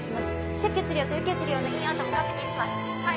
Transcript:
出血量と輸血量のインアウトも確認しますはい！